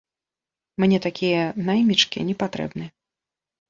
Мне такія наймічкі непатрэбны!